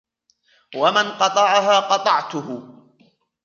وَمَنْ قَطَعَهَا قَطَعْتُهُ